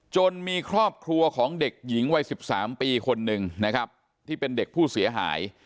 มีครอบครัวของเด็กหญิงวัย๑๓ปีคนหนึ่งนะครับที่เป็นเด็กผู้เสียหาย